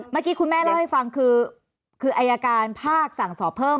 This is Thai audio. เมื่อกี้คุณแม่เล่าให้ฟังคืออายการภาคสั่งสอบเพิ่ม